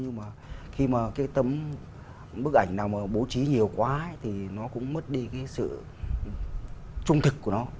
nhưng mà khi mà cái tấm bức ảnh nào mà bố trí nhiều quá thì nó cũng mất đi cái sự trung thực của nó